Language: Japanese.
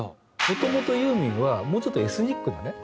もともとユーミンはもうちょっとエスニックなね